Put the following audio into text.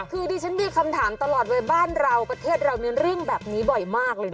คือดิฉันมีคำถามตลอดเวลาบ้านเราประเทศเรามีเรื่องแบบนี้บ่อยมากเลยนะ